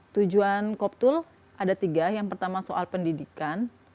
tujuan koptul ada tiga yang pertama soal pendidikan